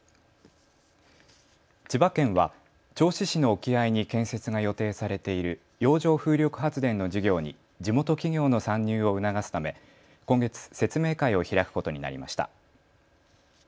千葉県は銚子市の沖合に建設が予定されている洋上風力発電の事業に地元企業の参入を促すため今月、説明会を開くことになりました。